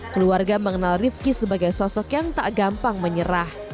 keluarga mengenal rifki sebagai sosok yang tak gampang menyerah